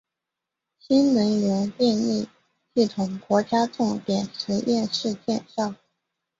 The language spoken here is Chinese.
新能源电力系统国家重点实验室简介